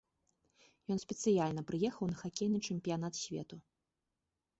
Ён спецыяльна прыехаў на хакейны чэмпіянат свету.